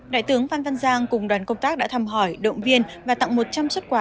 đại tướng phan văn giang cùng đoàn công tác đã thăm hỏi động viên và tặng một trăm linh xuất quà